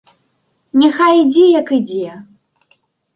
Няхай ідзе, як ідзе!